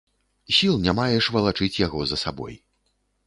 Сіл не маеш валачыць яго за сабой.